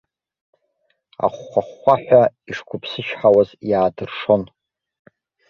Ахәхәа-хәхәаҳәа ишқәыԥсычҳауаз иаадыршон.